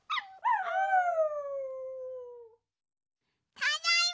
ただいま！